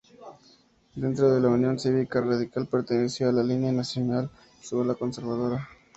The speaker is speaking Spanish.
Dentro de la Unión Cívica Radical perteneció a la "Línea Nacional", su ala conservadora.